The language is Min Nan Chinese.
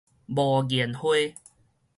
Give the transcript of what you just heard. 無言花